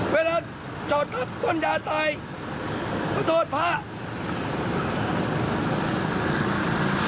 เวลาจอดกับคนยาไตประโดดภาพ